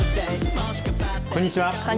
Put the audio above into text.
こんにちは。